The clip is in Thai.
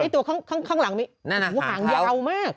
ตัวข้างหลังนี้หางยาวมาก